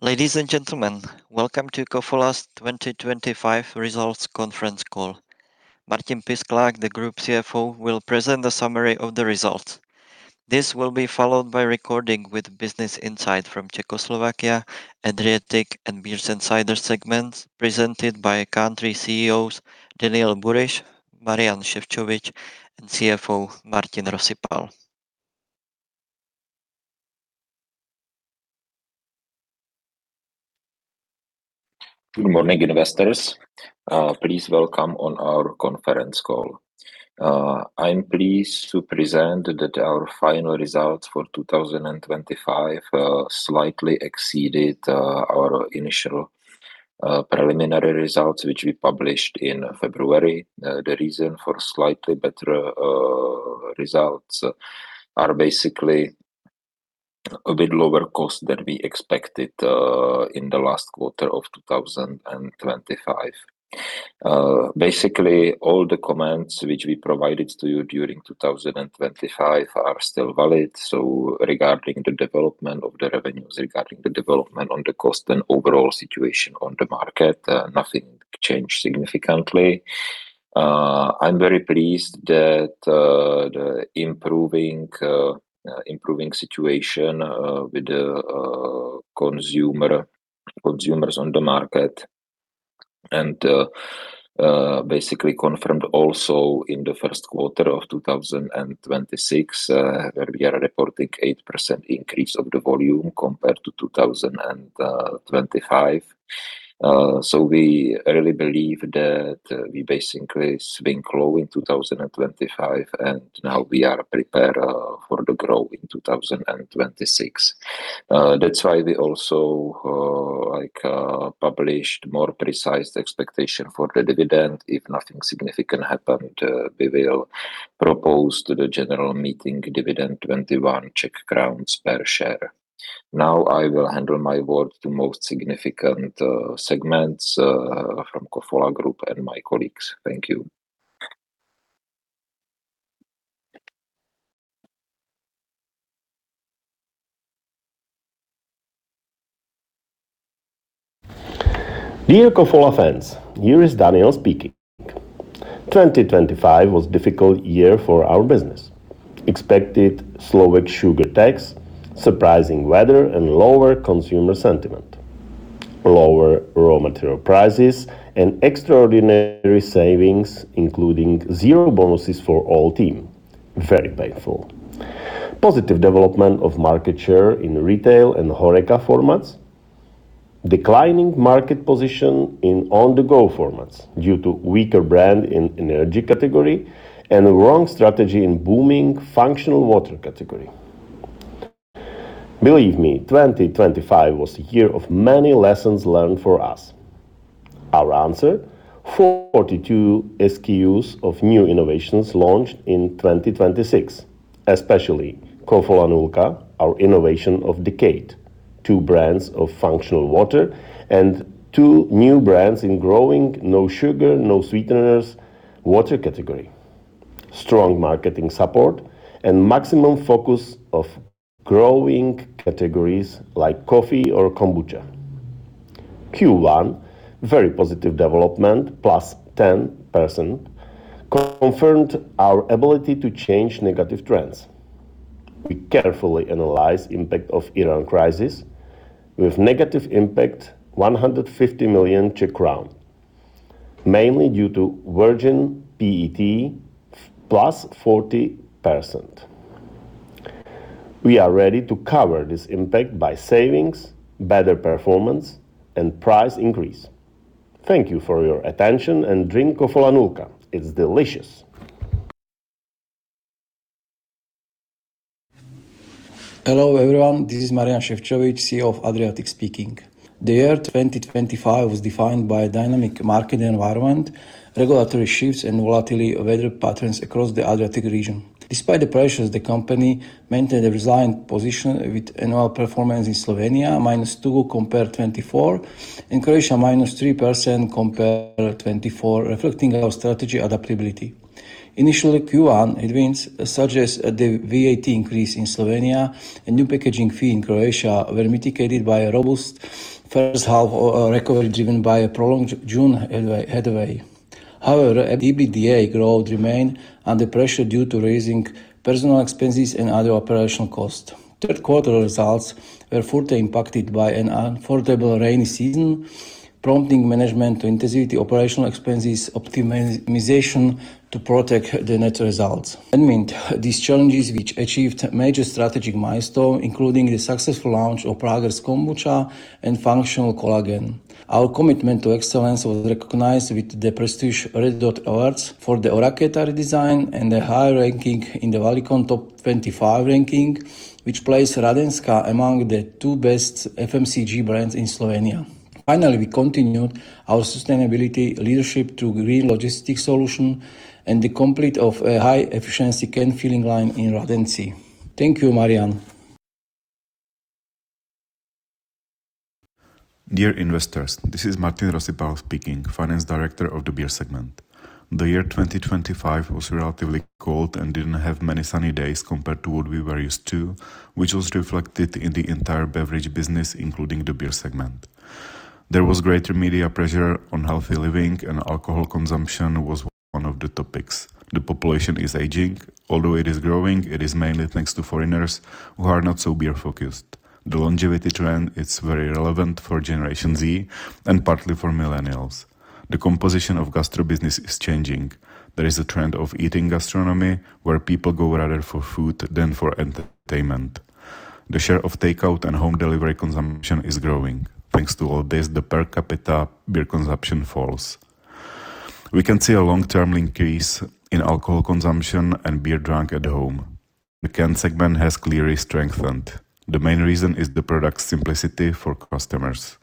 Ladies and gentlemen, welcome to Kofola's 2025 results conference call. Martin Pisklák, the group CFO, will present a summary of the results. This will be followed by recording with business insight from ČeskoSlovensko, Adriatic, and Beers & Cider segments presented by country CEOs, Daniel Buryš, Marián Šefčovič, and CFO Martin Rosipal. Good morning, investors. Please welcome on our conference call. I'm pleased to present that our final results for 2025 slightly exceeded our initial preliminary results, which we published in February. The reason for slightly better results are basically a bit lower cost than we expected in the last quarter of 2025. Basically, all the comments which we provided to you during 2025 are still valid. Regarding the development of the revenues, regarding the development on the cost and overall situation on the market, nothing changed significantly. I'm very pleased that improving situation with the consumers on the market and basically confirmed also in the first quarter of 2026, where we are reporting 8% increase of the volume compared to 2025. We really believe that we basically swing low in 2025, and now we are prepared for the growth in 2026. That's why we also published more precise expectation for the dividend. If nothing significant happened, we will propose to the general meeting dividend 21 crowns per share. Now I will hand over my word to most significant segments from Kofola Group and my colleagues. Thank you. Dear Kofola fans, here is Daniel speaking. 2025 was difficult year for our business. Expected Slovak sugar tax, surprising weather, and lower consumer sentiment. Lower raw material prices and extraordinary savings including zero bonuses for all team. Very painful. Positive development of market share in retail and HoReCa formats. Declining market position in on-the-go formats due to weaker brand in energy category and wrong strategy in booming functional water category. Believe me, 2025 was the year of many lessons learned for us. Our answer, 42 SKUs of new innovations launched in 2026, especially Kofola Nulka, our innovation of decade. Two brands of functional water and two new brands in growing no sugar, no sweeteners water category. Strong marketing support and maximum focus of growing categories like coffee or kombucha. Q1, very positive development, +10% confirmed our ability to change negative trends. We carefully analyze impact of Iran crisis. With negative impact 150 million Czech crown, mainly due to virgin PET plus 40%. We are ready to cover this impact by savings, better performance and price increase. Thank you for your attention and drink Kofola Nulka. It's delicious. Hello, everyone. This is Marián Šefčovič, CEO of Adriatic speaking. The year 2025 was defined by a dynamic market environment, regulatory shifts, and volatile weather patterns across the Adriatic region. Despite the pressures, the company maintained a resilient position with annual performance in Slovenia, -2% compared to 2024. In Croatia, -3% compared to 2024, reflecting our strategic adaptability. Initially, Q1 headwinds such as the VAT increase in Slovenia and new packaging fee in Croatia were mitigated by a robust first half recovery driven by a prolonged June heatwave. However, EBITDA growth remained under pressure due to rising personnel expenses and other operational costs. Third quarter results were further impacted by an unfavorable rainy season, prompting management to intensify operational expense optimization to protect the net results. Amid these challenges, we achieved major strategic milestone, including the successful launch of Prager's Kombucha and functional collagen. Our commitment to excellence was recognized with the prestigious Red Dot awards for the Ora quality design and the high ranking in the Valicon Top 25 ranking, which placed Radenska among the two best FMCG brands in Slovenia. Finally, we continued our sustainability leadership through green logistics solution and the completion of a high-efficiency can filling line in Radenci. Thank you. Marián Šefčovič. Dear investors, this is Martin Rosipal speaking, Finance Director of the beer segment. The year 2025 was relatively cold and didn't have many sunny days compared to what we were used to, which was reflected in the entire beverage business, including the beer segment. There was greater media pressure on healthy living, and alcohol consumption was one of the topics. The population is aging. Although it is growing, it is mainly thanks to foreigners who are not so beer-focused. The longevity trend is very relevant for Generation Z and partly for millennials. The composition of gastro business is changing. There is a trend of eating gastronomy where people go rather for food than for entertainment. The share of takeout and home delivery consumption is growing. Thanks to all this, the per capita beer consumption falls. We can see a long-term increase in alcohol consumption and beer drunk at home. The canned segment has clearly strengthened. The main reason is the product simplicity for customers.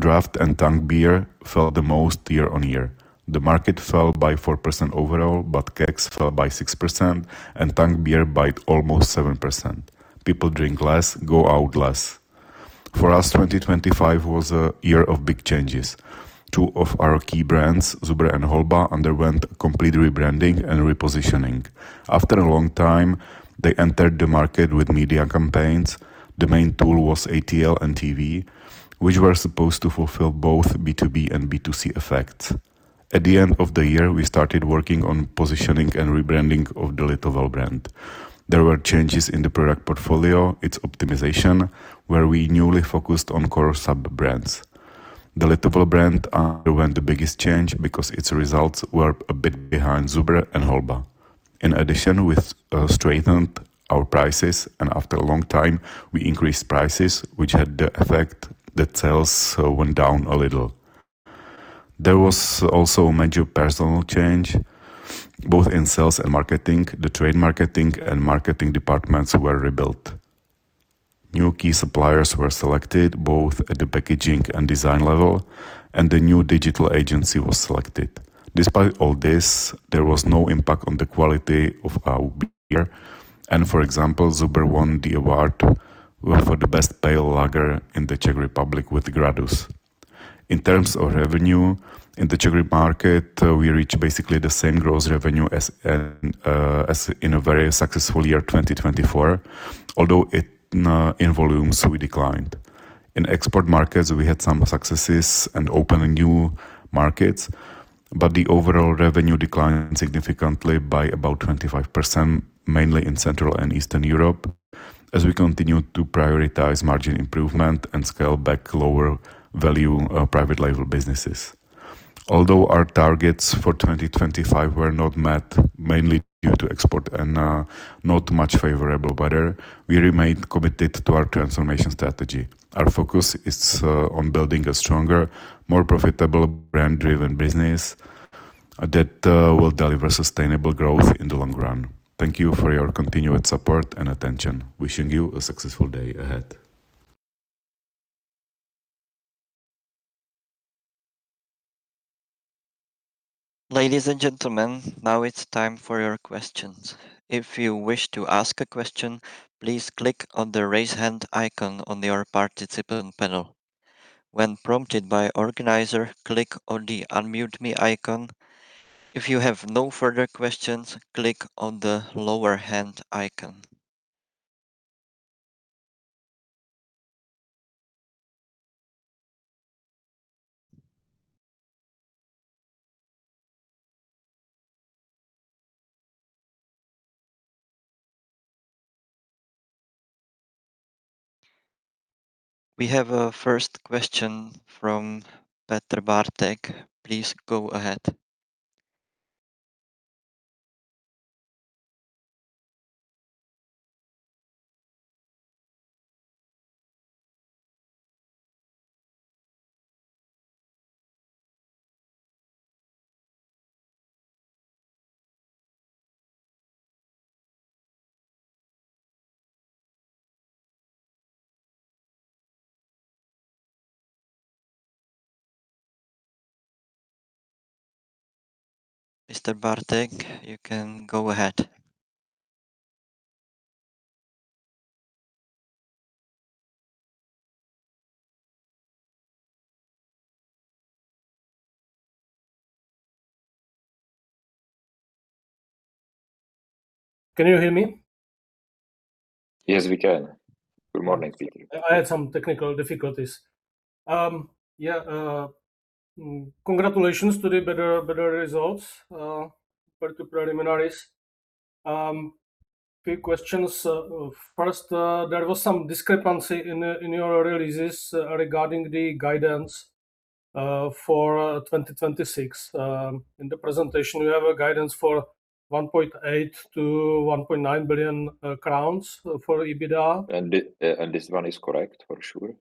Draft and tank beer fell the most year-over-year. The market fell by 4% overall, but kegs fell by 6% and tank beer by almost 7%. People drink less, go out less. For us, 2025 was a year of big changes. Two of our key brands, Zubr and Holba, underwent complete rebranding and repositioning. After a long time, they entered the market with media campaigns. The main tool was ATL and TV, which were supposed to fulfill both B2B and B2C effects. At the end of the year, we started working on positioning and rebranding of the Litovel brand. There were changes in the product portfolio, its optimization, where we newly focused on core sub-brands. The Litovel brand underwent the biggest change because its results were a bit behind Zubr and Holba. In addition, we strengthened our prices and after a long time we increased prices, which had the effect that sales went down a little. There was also a major personnel change, both in sales and marketing. The trade marketing and marketing departments were rebuilt. New key suppliers were selected, both at the packaging and design level, and the new digital agency was selected. Despite all this, there was no impact on the quality of our beer and for example, Zubr won the award for the best pale lager in the Czech Republic with Gradus. In terms of revenue in the Czech Republic market, we reached basically the same gross revenue as in a very successful year, 2024, although in volumes we declined. In export markets, we had some successes and opened new markets, but the overall revenue declined significantly by about 25%, mainly in Central and Eastern Europe, as we continued to prioritize margin improvement and scale back lower value private label businesses. Although our targets for 2025 were not met, mainly due to export and not much favorable weather, we remain committed to our transformation strategy. Our focus is on building a stronger, more profitable, brand-driven business that will deliver sustainable growth in the long run. Thank you for your continued support and attention. Wishing you a successful day ahead. Ladies and gentlemen, now it's time for your questions. If you wish to ask a question, please click on the raise hand icon on your participant panel. When prompted by organizer, click on the unmute me icon. If you have no further questions, click on the lower hand icon. We have a first question from Petr Bartek. Please go ahead. Mr. Bartek, you can go ahead. Can you hear me? Yes, we can. Good morning to you. I had some technical difficulties. Yeah. Congratulations to the better results per the preliminaries. Few questions. First, there was some discrepancy in your releases regarding the guidance for 2026. In the presentation, you have a guidance for 1.8 billion-1.9 billion crowns for EBITDA. This one is correct for sure.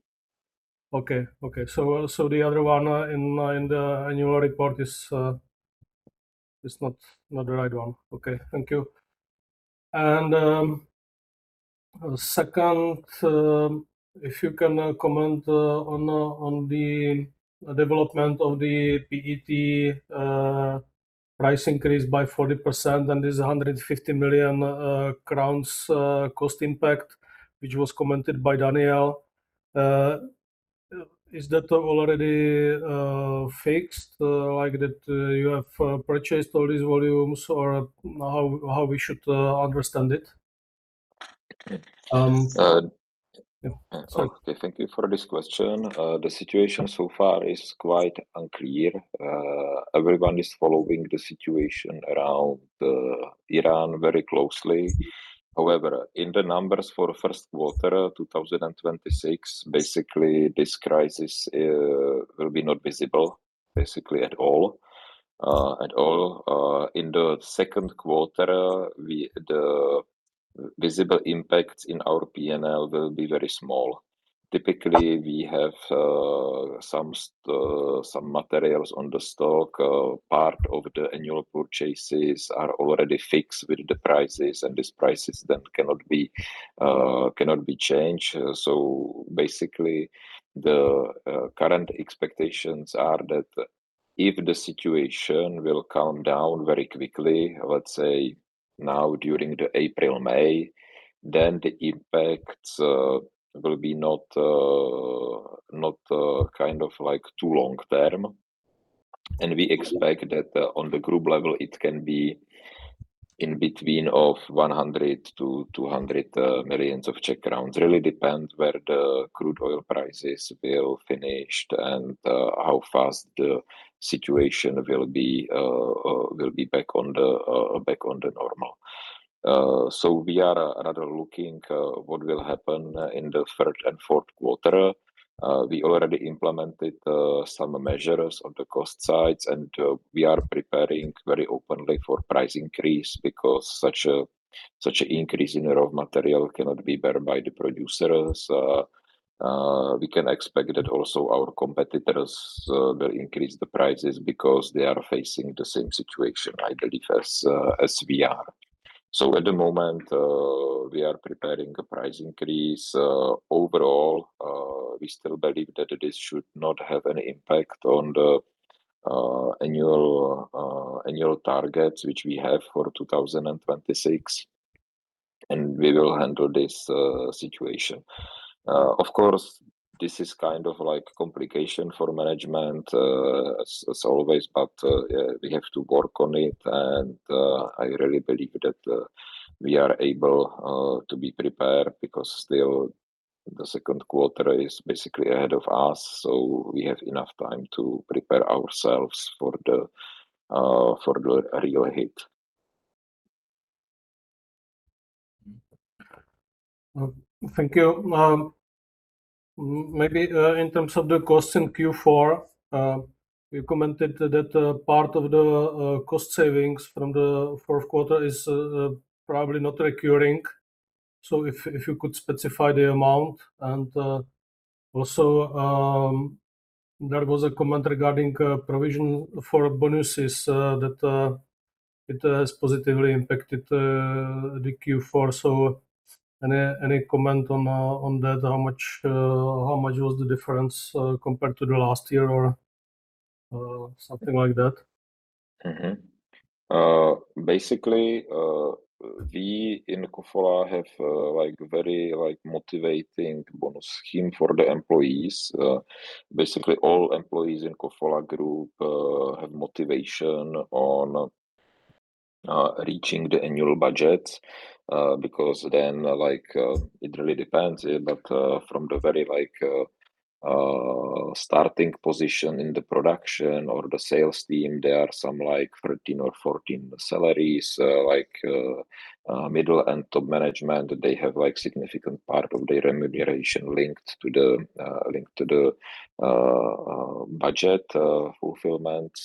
Okay. The other one in the annual report is not the right one. Okay. Thank you. Second, if you can comment on the development of the PET price increased by 40% and this 150 million crowns cost impact, which was commented by Daniel. Is that already fixed, like that you have purchased all these volumes or how we should understand it? Thank you for this question. The situation so far is quite unclear. Everyone is following the situation around Iran very closely. However, in the numbers for first quarter 2026, basically this crisis will be not visible basically at all. In the second quarter, the visible impacts in our P&L will be very small. Typically, we have some materials on the stock. Part of the annual purchases are already fixed with the prices and these prices then cannot be changed. So basically, the current expectations are that if the situation will calm down very quickly, let's say now during April, May, then the impacts will be not too long-term. We expect that on the group level, it can be between 100 million-200 million. Really depends where the crude oil prices will finish and how fast the situation will be back to normal. We are rather looking at what will happen in the third and fourth quarter. We already implemented some measures on the cost side, and we are preparing very openly for price increase because such an increase in raw material cannot be borne by the producers. We can expect that also our competitors will increase the prices because they are facing the same situation, I believe, as we are. At the moment, we are preparing a price increase. Overall, we still believe that this should not have any impact on the annual targets which we have for 2026, and we will handle this situation. Of course, this is kind of like a complication for management as always, but we have to work on it, and I really believe that we are able to be prepared because still the second quarter is basically ahead of us, so we have enough time to prepare ourselves for the real hit. Thank you. Maybe in terms of the cost in Q4, you commented that part of the cost savings from the fourth quarter is probably not recurring. If you could specify the amount and also there was a comment regarding provision for bonuses that it has positively impacted the Q4. Any comment on that? How much was the difference compared to the last year or something like that? Basically, we in Kofola have very motivating bonus scheme for the employees. Basically all employees in Kofola Group have motivation on reaching the annual budgets because then it really depends. From the very starting position in the production or the sales team, there are some 13 or 14 salaries like middle and top management. They have significant part of their remuneration linked to the budget fulfillment.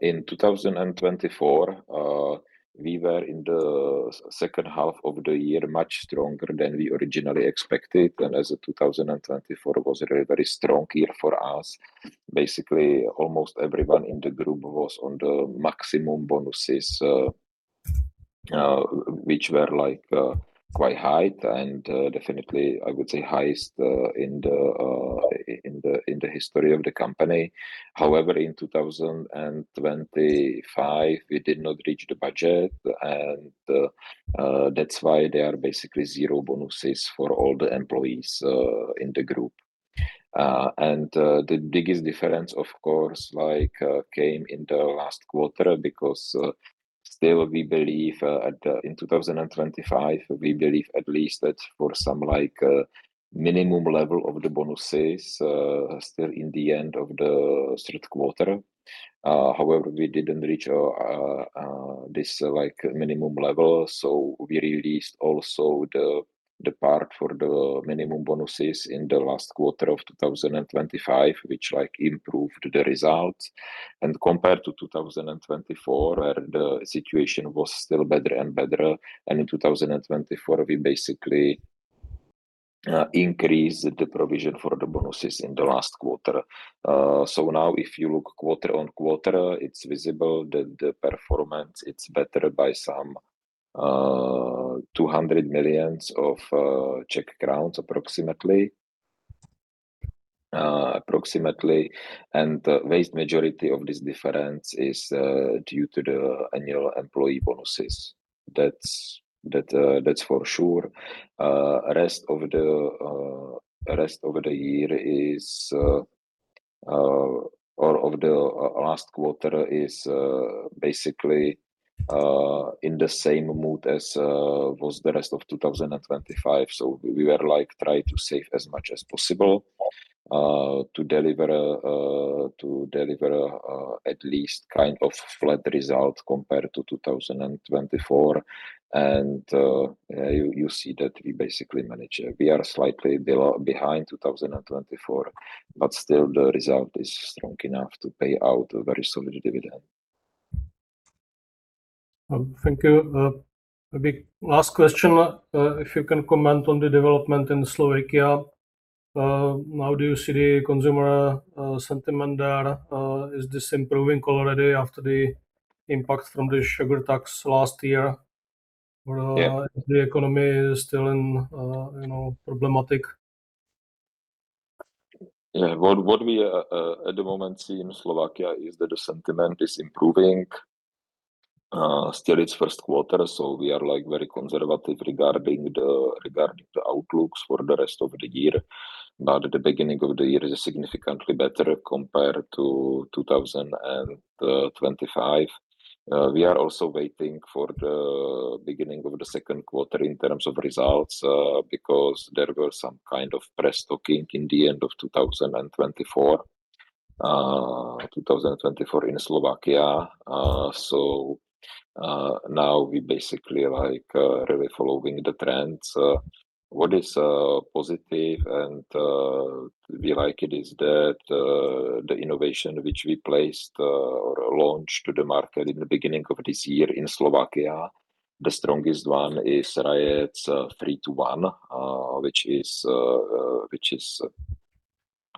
In 2024, we were in the second half of the year much stronger than we originally expected. As 2024 was a very strong year for us, basically almost everyone in the group was on the maximum bonuses, which were quite high and definitely I would say highest in the history of the company. However, in 2025 we did not reach the budget and that's why they are basically zero bonuses for all the employees in the group. The biggest difference of course came in the last quarter because still we believe in 2025, we believe at least that for some minimum level of the bonuses still in the end of the third quarter. However, we didn't reach this minimum level. We released also the part for the minimum bonuses in the last quarter of 2025, which improved the results. Compared to 2024, where the situation was still better and better. In 2024 we basically increased the provision for the bonuses in the last quarter. Now if you look quarter-on-quarter, it's visible that the performance it's better by approximately 200 million. Vast majority of this difference is due to the annual employee bonuses. That's for sure. rest of the year, or the last quarter, is basically in the same mood as was the rest of 2025. We were trying to save as much as possible to deliver at least kind of flat result compared to 2024. You see that we basically manage. We are slightly behind 2024, but still the result is strong enough to pay out a very solid dividend. Thank you. Maybe last question. If you can comment on the development in Slovakia. How do you see the consumer sentiment there? Is this improving already after the impact from the sugar tax last year? Yeah. Is the economy still problematic? Yeah. What we at the moment see in Slovakia is that the sentiment is improving. Still it's first quarter, so we are very conservative regarding the outlooks for the rest of the year. The beginning of the year is significantly better compared to 2025. We are also waiting for the beginning of the second quarter in terms of results because there were some kind of press talking in the end of 2024 in Slovakia. Now we basically really following the trends. What is positive and we like it, is that the innovation which we placed or launched to the market in the beginning of this year in Slovakia, the strongest one is Rajec Bylinka which is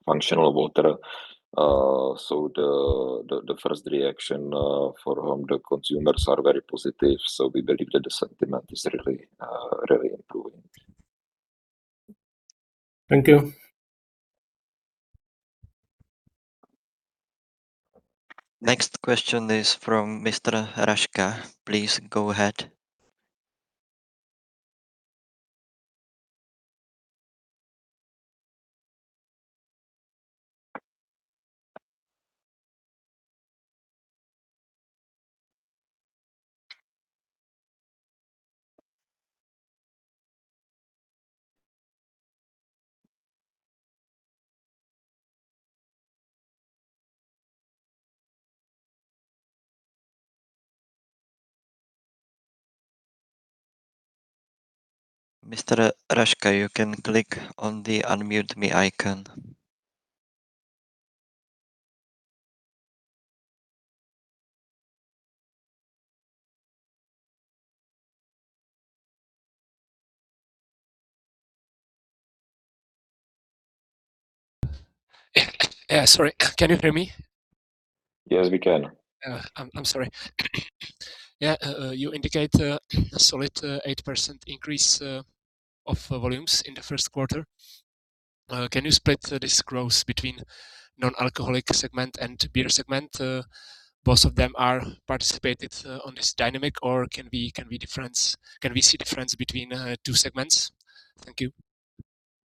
functional water. The first reaction from the consumers are very positive. We believe that the sentiment is really improving. Thank you. Next question is from Mr. Raška. Please go ahead. Mr. Raška, you can click on the unmute me icon. Yeah, sorry. Can you hear me? Yes, we can. I'm sorry. Yeah. You indicate a solid 8% increase of volumes in the first quarter. Can you split this growth between non-alcoholic segment and beer segment? Both of them are participated on this dynamic or can we see difference between two segments? Thank you.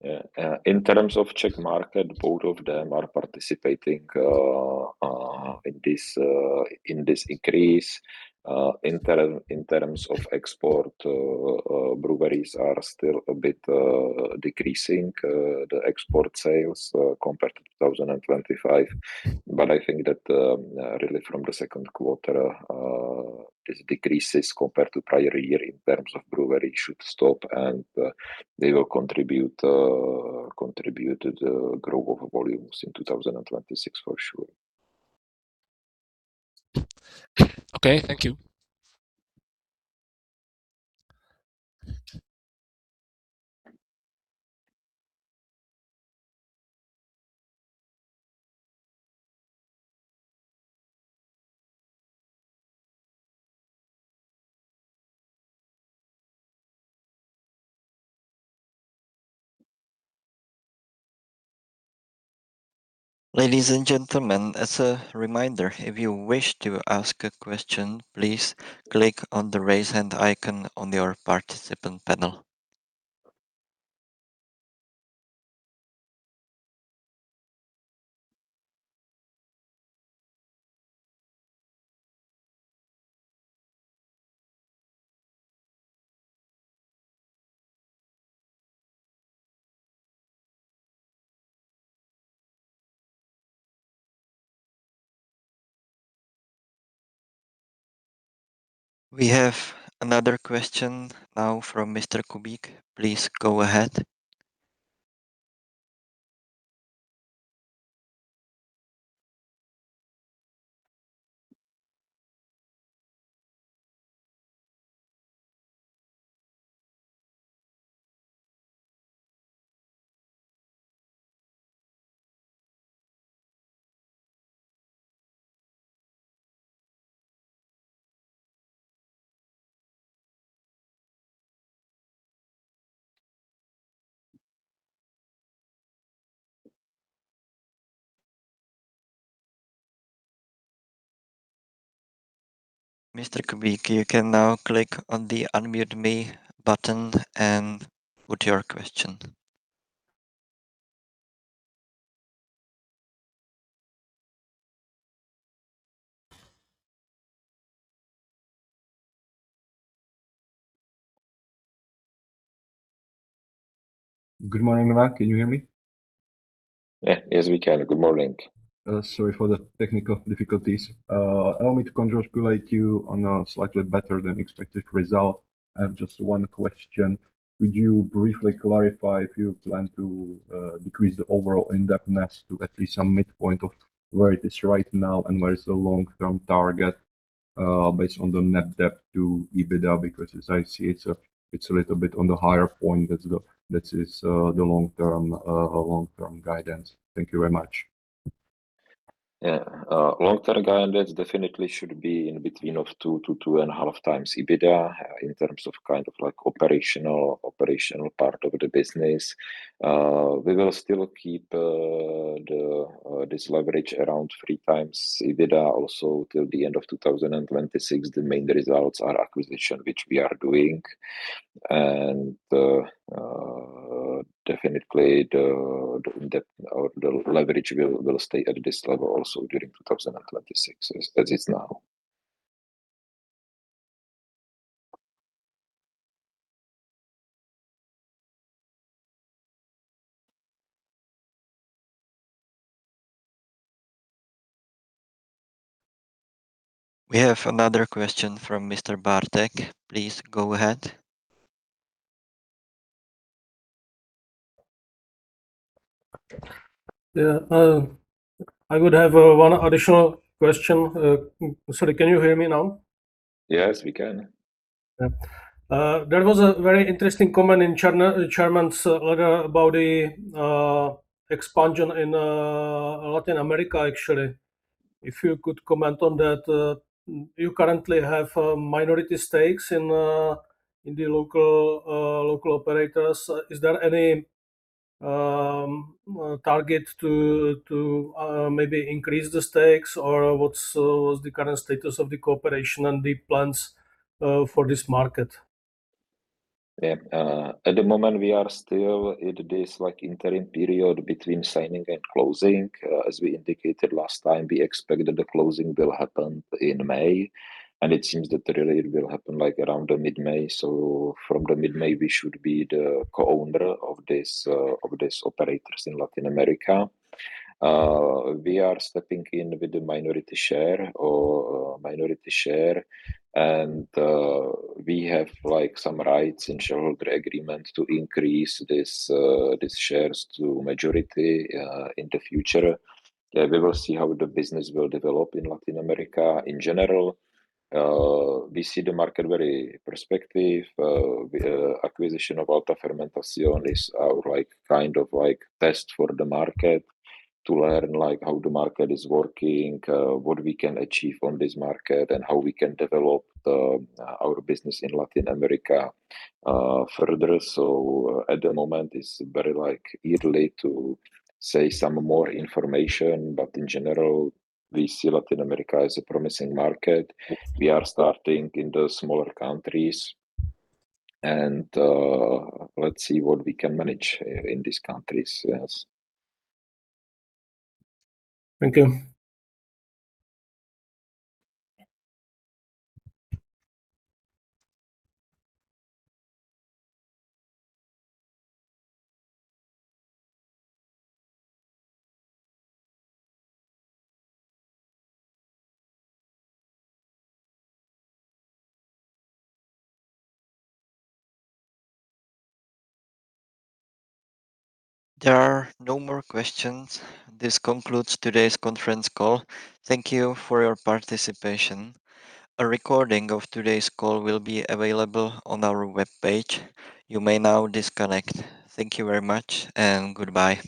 Yeah. In terms of Czech market, both of them are participating in this increase. In terms of export, breweries are still a bit decreasing the export sales compared to 2025. I think that really from the second quarter these decreases compared to prior year in terms of brewery should stop and they will contribute to the growth of volumes in 2026 for sure. Okay. Thank you. Ladies and gentlemen, as a reminder, if you wish to ask a question, please click on the raise hand icon on your participant panel. We have another question now from Mr. Kubík. Please go ahead. Mr. Kubík, you can now click on the unmute me button and put your question. Good morning, Martin. Can you hear me? Yeah. Yes, we can. Good morning. Sorry for the technical difficulties. Allow me to congratulate you on a slightly better than expected result. I have just one question. Would you briefly clarify if you plan to decrease the overall indebtedness to at least some midpoint of where it is right now? And where is the long-term target, based on the net debt to EBITDA? Because as I see it's a little bit on the higher side. That is the long-term guidance. Thank you very much. Yeah. Long-term guidance definitely should be in between of 2-2.5x EBITDA in terms of operational part of the business. We will still keep this leverage around three times EBITDA also till the end of 2026. The main reason is acquisition, which we are doing. Definitely, the leverage will stay at this level also during 2026 as it's now. We have another question from Mr. Bartek. Please go ahead. Yeah. I would have one additional question. Sorry, can you hear me now? Yes, we can. Yeah. There was a very interesting comment in chairman's letter about the expansion in Latin America, actually. If you could comment on that. You currently have minority stakes in the local operators. Is there any target to maybe increase the stakes, or what's the current status of the cooperation and the plans for this market? Yeah. At the moment, we are still in this interim period between signing and closing. As we indicated last time, we expect that the closing will happen in May, and it seems that really it will happen around the mid-May. From the mid-May, we should be the co-owner of these operators in Latin America. We are stepping in with the minority share or a minority share, and we have some rights in shareholder agreement to increase these shares to majority in the future. We will see how the business will develop in Latin America. In general, we see the market very prospective. Acquisition of Alta Fermentación is our test for the market to learn how the market is working, what we can achieve on this market, and how we can develop our business in Latin America further. At the moment, it's very early to say some more information. In general, we see Latin America as a promising market. We are starting in the smaller countries, and let's see what we can manage in these countries. Yes. Thank you. There are no more questions. This concludes today's conference call. Thank you for your participation. A recording of today's call will be available on our webpage. You may now disconnect. Thank you very much and goodbye.